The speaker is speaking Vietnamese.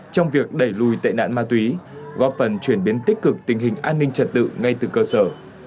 trong việc đẩy lùi tệ nạn ma túy góp phần chuyển biến tích cực tình hình an ninh trật tự ngay từ cơ sở